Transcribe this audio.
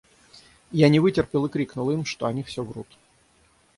Я не вытерпел и крикнул им, что они всё врут.